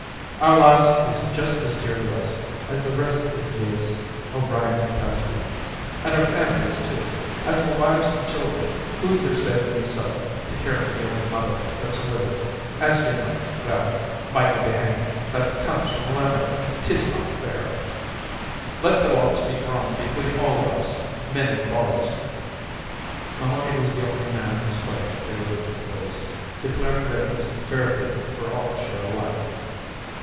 "Our lives is just as dear to us as the rest iv yez," O'Brien protested. "An' our famblies, too. As for wives an' childer, who is there savin' meself to care for me old mother that's a widow, as you know well, Michael Behane, that comes from Limerick? 'Tis not fair. Let the lots be drawn between all of us, men and b'ys." Mahoney was the only man who spoke in favour of the boys, declaring that it was the fair thing for all to share alike.